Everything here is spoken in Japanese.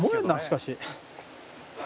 しかし。